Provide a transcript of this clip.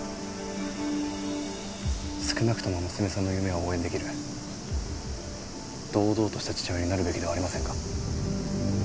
少なくとも娘さんの夢を応援できる堂々とした父親になるべきではありませんか？